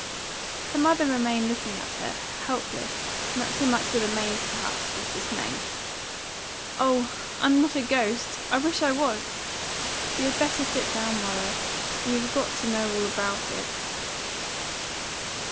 Her mother remained looking at her, helpless, not so much with amaze, perhaps, as dismay. "Oh, I'm not a ghost! I wish I was! You had better sit down, mother. You have got to know all about it."